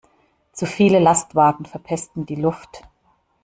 Zu viele Lastwagen verpesten die Luft.